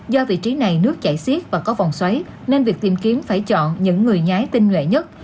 do vị trí này nước chảy xiết và có vòng xoáy nên việc tìm kiếm phải chọn những người nhái tinh nhuệ nhất